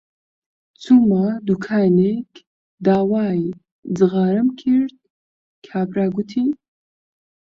چوومە دووکانێک داوای جغارەم کرد، کابرا گوتی: